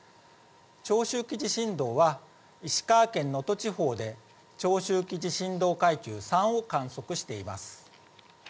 長周期地震動は、石川県能登地方で、長周期地震動階級３を観測しています。